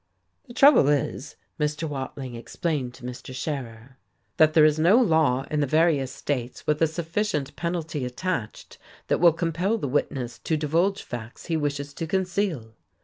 "The trouble is," Mr. Wading explained to Mr. Scherer, "that there is no law in the various states with a sufficient penalty attached that will compel the witness to divulge facts he wishes to conceal."